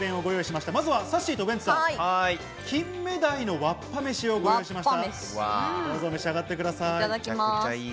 まずは、さっしーとウエンツさん、金目鯛のわっぱめしをご用意しました。